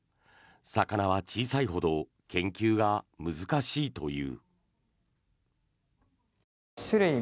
魚は小さいほど研究が難しいという。